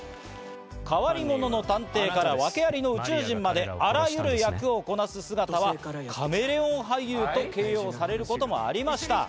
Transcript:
変わり者の探偵から訳ありの宇宙人まで、あらゆる役をこなす姿はカメレオン俳優と形容されることもありました。